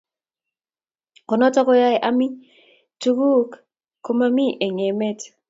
ko not koae ami tuguk ko mami eng emet